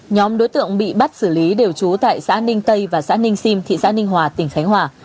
nhóm đối tượng bị bắt xử lý đều trú tại xã ninh tây và xã ninh sim thị xã ninh hòa tỉnh khánh hòa